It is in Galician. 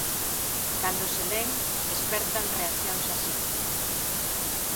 Cando se len, espertan reaccións así...